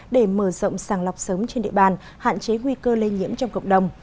để mở rộng sàng lọc sớm trên địa bàn hạn chế nguy cơ lây nhiễm trong cộng đồng